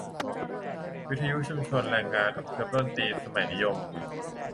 วิทยุชุมชน-แรงงานอพยพ-ดนตรีสมัยนิยม